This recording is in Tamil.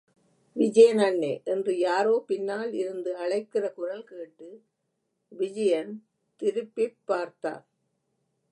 விஜயன் அண்ணே. என்று யாரோ பின்னால் இருந்து அழைக்கிற குரல்கேட்டு விஜயன் திருப்பிப் பார்த்தான்.